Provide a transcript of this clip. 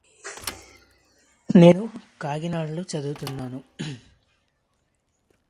The anthers are all equal and approximately long.